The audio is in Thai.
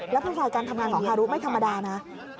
แล้วภาษาการทำงานของฮารุไม่ธรรมดานะ